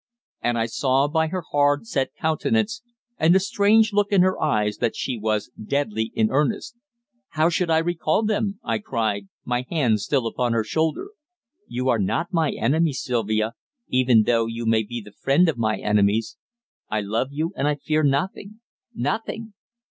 And I saw by her hard, set countenance and the strange look in her eyes that she was deadly in earnest. "Why should I recall them?" I cried, my hand still upon her shoulder. "You are not my enemy, Sylvia, even though you may be the friend of my enemies. I love you, and I fear nothing nothing!"